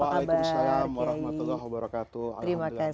waalaikumsalam wr wb